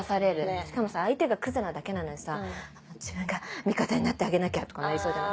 しかもさ相手がクズなだけなのにさ自分が味方になってあげなきゃとかなりそうじゃない？